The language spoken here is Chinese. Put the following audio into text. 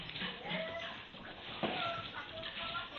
谭雅婷是台湾女子射箭运动员。